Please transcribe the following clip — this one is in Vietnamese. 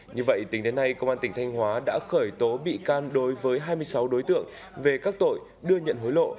như vậy tính đến nay công an tỉnh thanh hóa đã khởi tố bị can đối với hai mươi sáu đối tượng về các tội đưa nhận hối lộ